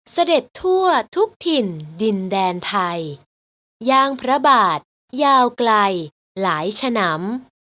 เสด็จทั่วทุกถิ่นดินแดนไทยย่างพระบาทยาวไกลหลายฉนำ